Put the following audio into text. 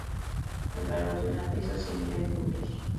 El valor de una pieza se mide en puntos.